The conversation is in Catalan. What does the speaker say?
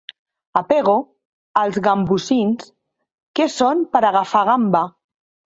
A Pego, els gambosins, que són per agafar gamba.